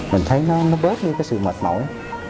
mình thấy nó bớt như cái sự mệt mỏi